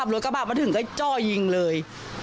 ขับรถกระบาดมาถึงได้จ้อยยิงเลย